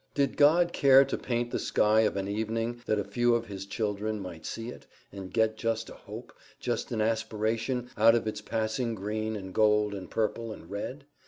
Did God care to paint the sky of an evening, that a few of His children might see it, and get just a hope, just an aspiration, out of its passing green, and gold, and purple, and red?